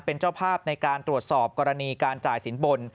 เป็นเจ้าภาพในการตรวจสอบกรณีการจ่ายสินบน